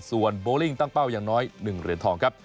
ส่วนโบลิ่งตั้งเป้าอย่างน้อย๑เหรียญทองครับ